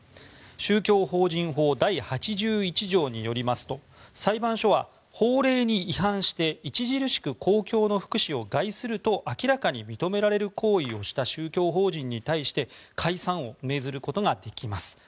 宗教法人法第８１条によりますと裁判所は法令に違反して著しく公共の福祉を害すると明らかに認められる行為をした宗教法人に対して解散を命ずることができます。